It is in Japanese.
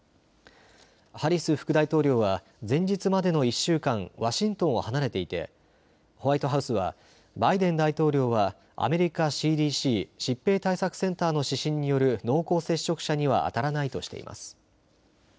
ハリス副大統領は前日までの１週間、ワシントンを離れていてホワイトハウスはバイデン大統領はアメリカＣＤＣ・疾病対策センターの指針による濃厚接触者には当たらないとしています。